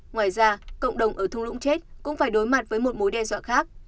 ngoài ra cộng đồng ở thung lũng chết cũng phải đối mặt với một mối đe dọa khác